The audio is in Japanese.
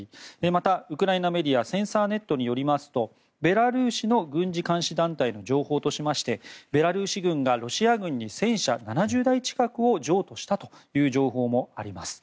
また、ウクライナメディアセンサーネットによりますとベラルーシの軍事監視団体の情報としましてベラルーシ軍がロシア軍に戦車７０台近くを譲渡したという情報もあります。